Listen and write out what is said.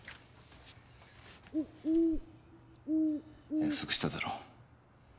約束しただろ。